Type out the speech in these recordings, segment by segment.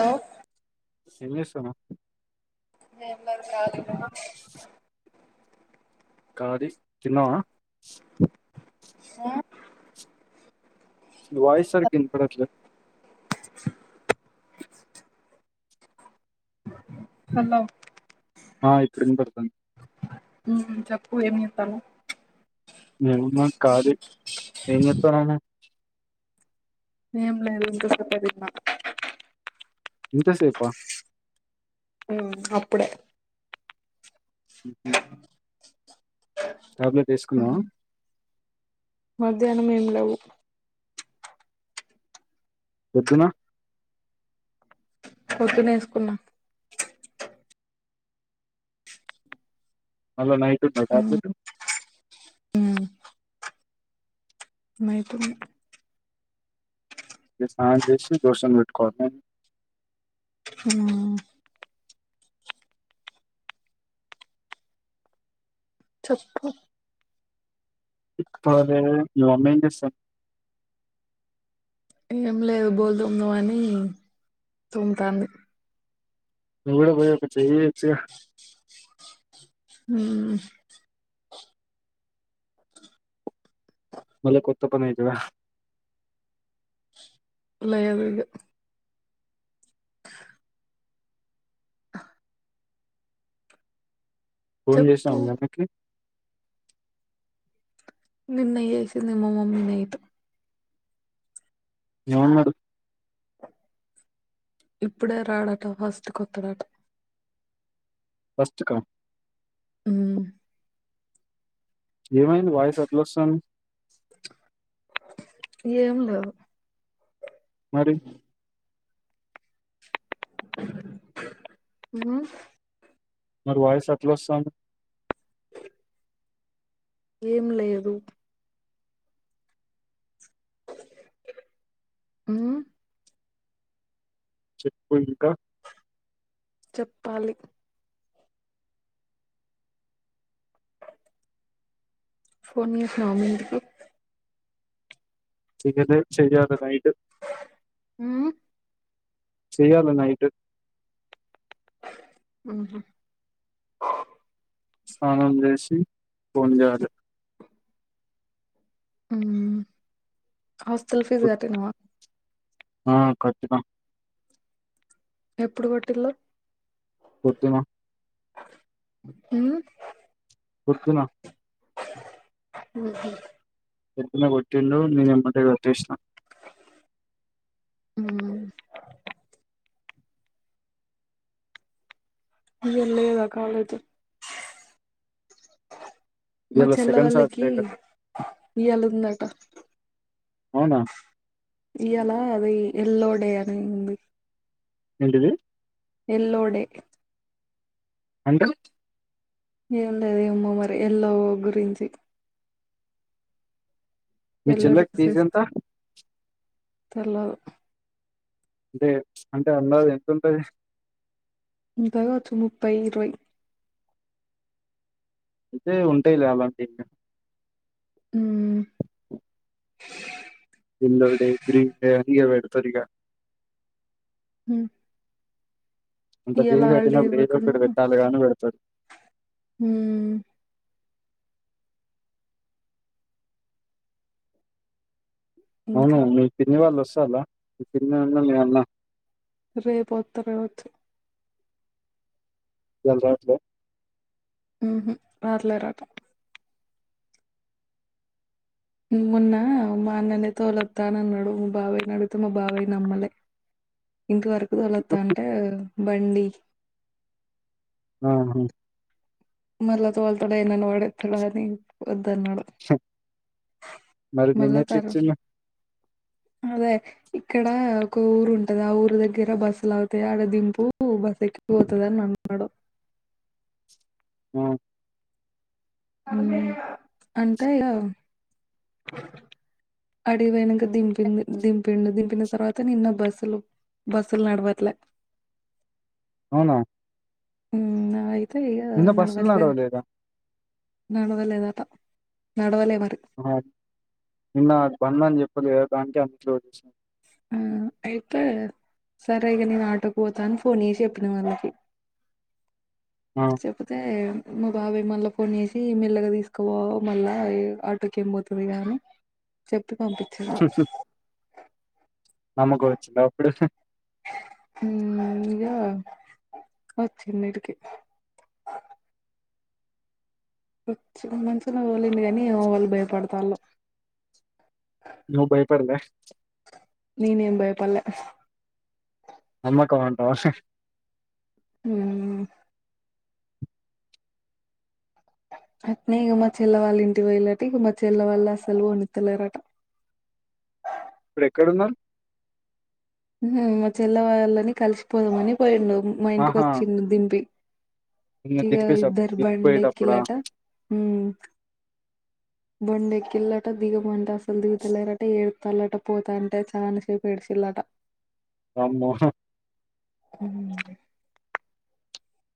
hello ఎంచేస్తున్నావ్ నేమ్ మరి కాలినో కాది తిన్నావా మ్మ్ మీ వాయిస్ సరిగ్గా వినపడట్లా ఖండం ఆ ఇప్పుడు వినపడుతుంది మ్మ్ చెప్పు ఎంచెత్తాన్నావ్ నేనుగునా కాలీ ఎంచెత్తాన్నావ్ నువ్వు ఏంలేదు ఇంకా కొత్త తిన్నా ఇంత సేఫా ఆ అప్పుడే మ్మ్ టాబ్లెట్ వేసుకున్నావా మధ్యానం ఏమి లేవు పొద్దునా పొద్దున వేసుకున్నా మల్లా నైట్ ఉందా ట్యాబ్లేటు మ్మ్ నైటుంది స్నానం చేసి దోషం పెట్టుకోవాల మ్మ్ చెప్పు ఇప్పుడు లేదే మార్నింగ్ ఇస్తా ఏం లేదు బోలు తొముదామని తోముతాంది నువు గూడా పోయి ఒక చేయ్ ఎయ్యొచ్చుగా మ్మ్ మళ్ళ కొత్త పనయితదా లేదుగా ఫోన్ చేసినవా చెప్పు మీ అమ్మకి నిన్న చేసింది మా మమ్మీ నైట్ ఏమన్నాడు ఇప్పుడే రాడట ఫస్ట్ కొత్తడట ఫస్ట్ కా మ్మ్ ఏమైంది వాయిస్ అట్లాస్తాంది ఏం లేదు మరి మ్మ్ మరి వాయిస్ అట్లాస్తాంది ఏం లేదు ఉమ్ చెప్పు ఇంకా చెప్పాలి ఫోన్ జేసినవ మీ ఇంటికి దిగలే చేయాలె నైట్ ఊమ్ చేయ్యాల నైట్ ఉ హు స్నానం జేసి ఫోన్ జేయాలె ఊమ్ హాస్టల్ ఫీస్ పొద్- గట్టినవా ఆ కట్టిన ఎప్పుడు గొట్టిళ్ళు కొట్టిన ఊమ్ పొద్దున ఉమ్ హు పొద్దున గొట్టిండు నేనెంబటె కొట్టేస్న ఉమ్ ఇగ ళ్ళేదా కాలేజ్ మా ఇవాళ చెల్ల సెకండ్ వాళ్ళకి సాటర్డే కదా ఇయాలుందట అవునా ఇయాలా అది ఎల్లో డే అని ఉంది ఎంటిది ఎల్లో డే అంటే ఏముందోది ఏమో మరి ఎల్లో గురించి మీ ఎల్లో చెల్లెకి ఫీజ్ డ్రెస్సెస్ ఎంత తెల్వదు అంటే అంటే అందాద ఎంతుంటది ఉంటది గావచ్చు ముప్పై ఇరవై అయితే ఉంటయిలే అలాంటివి ఊమ్ ఎల్లో డే గ్రీన్ డే అని ఇగ బెడతరిగ హ్మ్ అంత గ్రీన్ గ హాలిడే గట్టినప్పుడు ఏదోక్కటి ఇవ్వకుండా పెట్టాలిగని పెడతరు హ్మ్ అవును ఇంకా మీ పిన్ని వాళ్ళు వస్తాల్లా మీ పిన్ని వును మీ అన్న రేపొత్తరు గావచ్చు ఇయాల రాట్లే ఉమ్ హు రాట్లేరట ఉమ్ మొన్న మా అన్ననే తోలొత్తానన్నడు మా బాబాయ్ నడిగితే మా బాబాయ్ నమ్మలే ఇంటి వరకు తొలత్తా అంటే బండి ఆహ మళ్ళ తోల్తడో ఏనన్న పడేత్తడో అని వద్దన్నడు మరి మల్ళ నిన్న ఎట్లా తర్ ఇచ్చిండు అదే ఇక్కడ ఒక ఊరు ఉంటది ఆ ఊరు దగ్గర బస్సులు ఆగుతాయి ఆడ దింపు ఉ బస్సెకి పోతదని అన్నడు ఉమ్ మ్ అంటే ఇగ అడికిపోయి దింపి దింపిండు దింపిన తర్వాత నిన్న బస్సులు బస్సులు నడవట్లే అవునా మ్ నావయితే ఇగ నిన్న బస్సులు నడవట్లేదు నడవలేదా నడవలేదట నడవలే మరి నిన్న బంద్ అని చెప్పాను కద దానికే అన్నిట్లోనించి ఆ అయితే సరే ఇగా నేను ఆటోకి పోతా అని ఫోన్ చేసి చెప్పిన వాళ్ళకి ఆ లేపోతే మా బాబాయ్ మళ్ళా ఫోన్ చేసి మెల్లగా తీస్కక మళ్ళా ఆటోకి ఏం బోత గాని చెప్పి పంపించిండు నమ్మకం వచ్చింద అప్పుడు మ్ ఇగ వచ్చింది ఈడకి మంచిగనే తొలిండు కానీ ఏమో వాళ్ళు భయపడతాల్లు నువ్వు భయపడలే నేనేం బయపడ్లే నమ్మకం అంటవ హ్మ్ అట్నే ఇగ మా చెల్ల వాళ్ళ ఇంటి పోయిలట ఇగ మా చెల్ల వాళ్ళు అసలు ఒనీత్తలేరట ఇప్పుడు ఎక్కడన్నారు మా చెల్ల వాళ్ళని కలిసిపోదమని పోయిండు మా ఇంటికి ఆహా వచ్చిండు దింపి నిన్ను ఇగ దింపేసా ఇద్దరు దింపేటప్పుడా బండెక్కిలట మ్ బండేక్కిళ్ళట దిగమంటే అసలు దిగుతలేరట ఏడుతాలట పోతా అంటే చాలా సేపు ఏడిసిల్లట వామ్మో ఉమ్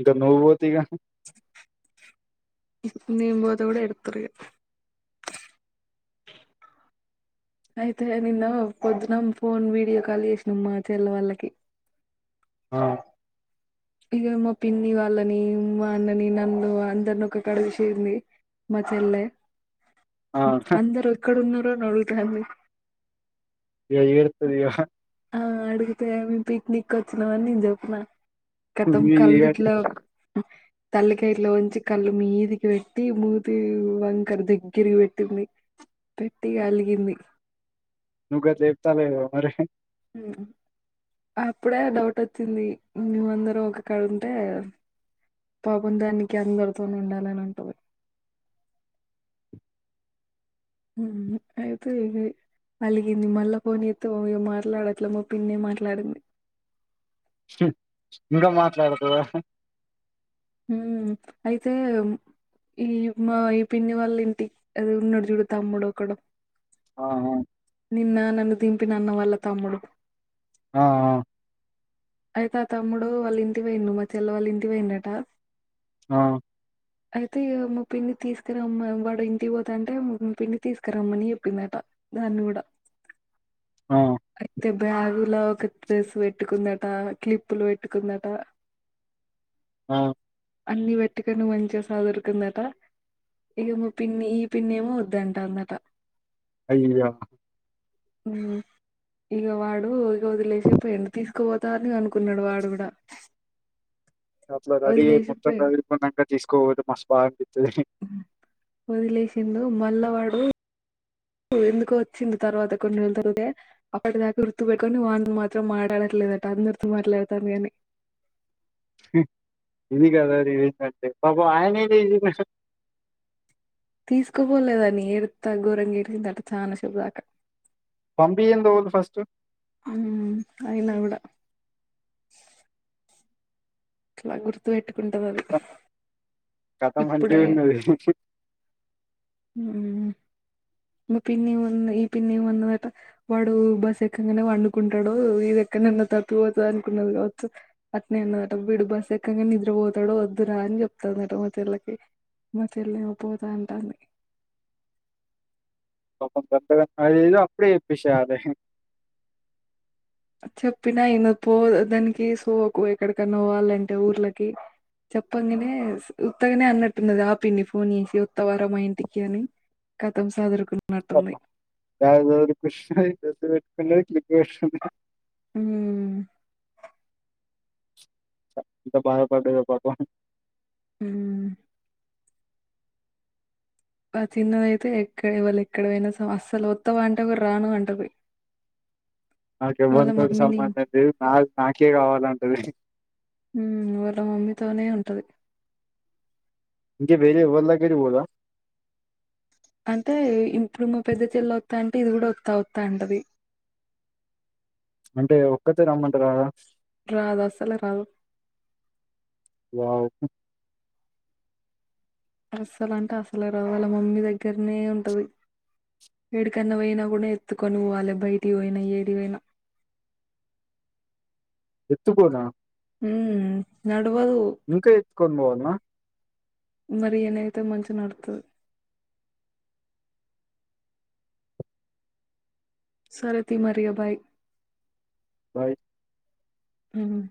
ఇగ నువ్వు ఓతే ఇగ నేను బోతే కూడ ఏడుత్తరు ఇగ అయితే నిన్న పొద్దున ఫోన్ వీడియో కాల్ చేసినం మా చెల్ల వాళ్ళకి ఆ ఇగ మా పిన్ని వాళ్ళని మా అన్నని నన్ను అందరిని ఒక కడుగుసింది మా చెల్లె ఆ అందరు ఎక్కడున్నారని అడుగుతాంది ఇగ ఎడుత్తది ఇగ ఆ అడిగితే మేమ్ పిక్నిక్ వచ్చిన అని నేను జెప్పిన ఖతం నీ కళ్ళు ఇక ఇట్ల తలకాయ ఇట్ల ఉంచి కళ్ళు మీదికి పెట్టి మూతి వంకర దగ్గరికి పెట్టింది పెట్టి అలిగింది నువ్వుగ చెప్తాలేవా మరి ఉమ్ అప్పుడే డౌట్ వచ్చింది మేము అందరం ఒకకాడ ఉంటే పాపం దానికి అందరితోని ఉండాలని ఉంటది ఉ అయితే అలిగింది మళ్ళ ఫోన్ చేత్తో మాట్లాడట్లేమో పిన్నే మాట్లాడింది ఇంగా మాట్లాడుతుద హు అయితే ఈ మా ఈ పిన్ని వాళ్ళ ఇంటికి అది ఉన్నడు జూడు తమ్ముడు ఒక్కడ ఆహా నిన్న నన్ను దింపినన్న వాళ్ళ తమ్ముడు ఆ అయితే ఆ తమ్ముడు వాళ్ళ ఇంటికి పోయిండు మా చెల్ల వాళ్ళ ఇంటికి పోయిండట ఆ అయితే మా పిన్ని తీసుకురమ్మ వాడు ఇంటికి పోత అంటే మా పిండి తీసుకురమ్మని చెప్పిందట దాన్ని కూడా ఆ అయితే బ్యాగులో ఒక డ్రెస్ పెట్టుకున్నడు ఆ క్లిప్పులు పెట్టుకుందట ఆ అన్ని పెట్టుకని మంచిగా సదరుకుందట ఇగా పిన్ని ఈ పిన్నేమో వద్దంటాందట అయ్యయ్యో ఉ ఇగా వాడు ఇగ వదిలేసిపోయిండు తీసుకుపోతారని అను కున్నాడు వాడు కూడా అట్లా రెడీ అయ్ మొత్తం వదిలేసిపోయిండు రపోందక తీసుకోక మస్ బాదనిపిస్తది వదిలేసిండు మల్లవాడు ఎందుకో వచ్చింది తర్వాత కొన్ని నేలు తరుతే అప్పటి దాకా గుర్తు పెట్టుకొని వాని మాత్రం మాటాడట్లేదు అట అందర్తో మాట్లాడతాంది కాని ఇది కా [unintelligible] పాపం ఆయన ఏ తీసుకోపోలేదని ఏడుత్త ఘోరంగ ఏరిసిందట చానాసేపుదాకా పంపి ఎందవుదు ఫస్ట్ ఉ అయినా కూడ ఇట్ల గుర్తు పెట్టుకుంటది అది కథ మంచిగ ఇప్పుడే ఉన్నది ఉ మీ పిన్ని ఉన్ ఈ పిన్ని ఉన్నదట వాడు బస్ ఎక్కంగానే వండుకుంటాడు ఇది ఎక్కడనన్నా తప్పిపోతది అనుకున్నది కావచ్చు అట్నే ఉన్నదట విడి బస్ ఎక్కంగా నిద్రపోతాడో వద్దురా అని చెప్తాడుట మా తెల్లకి మా చెల్లి ఏమో పోతా అంటాన్ పాపం కొత్తగా అయ్యయ్యో అప్పుడే చెప్పేసాయాలి చెప్పినాయన పో దానికి సోకు ఎక్కడికన్నా పోవాలంటే ఊర్లకి చెప్పంగానే ఉత్తగానే అన్నట్టున్నది ఆపిని ఫోన్ చేసి ఉత్తవార మా ఇంటికి అని కతం సదరకున్ కథం కృషిష [unintelligible] ఉ ఎంత బాధ పడ్డదో పాపం ఉహు ఆ తిన్నద అయితే ఎక్కడ ఇవాళు ఎక్కడ పోయినా స అస్సలు వత్తవ అంట కూడా రాను అంటవి నాకు ఎవ్వలతోటి మమ్మీని సంబంధం లేదు నాది నాకే కావాలంటది మ్మ్ వాళ్ళ మమ్మీతోనే ఉంటది ఇంక వేరే ఎవళ్ళ దగ్గరకి పొద అంటే ఇప్పుడు మా పెద్ద చెల్ వత్త అంటే ఇది కూడా వత్త వత్త అంటది అంటే ఒక్కతే రమ్మంటే రారా రాదు అసలు రాదు వావ్ అస్సలు అంటే అసలే రావాల వాళ్ళ మమ్మీ దగ్గరనే ఉంటది ఏడుకన్న పోయినా కూడా ఎత్తుకొని పోవాలి బయటికి పోయినా ఏడి పోయినా ఎత్తుకోనా మ్మ్ నడవదు ఇంకా ఎత్తుకొని పోవాల్న మరి ఏనైతే మంచిగా నడుతది సరే తి మరి ఇగ బాయ్ బాయ్ మ్మ్